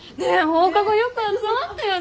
放課後よく集まったよね。